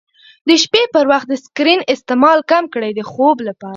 د شپې پر وخت د سکرین استعمال کم کړئ د خوب لپاره.